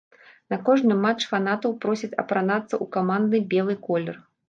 На кожны матч фанатаў просяць апранацца ў камандны белы колер.